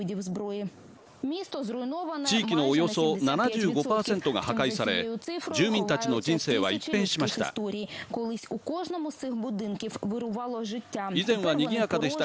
地域のおよそ７５％が破壊され住民たちの人生は一変しました。